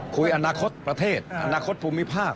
คุยอนาคตประเทศอนาคตภูมิภาค